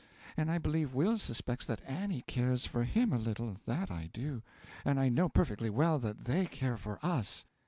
And I believe Will suspects that Annie cares for him a little, that I do. And I know perfectly well that they care for us.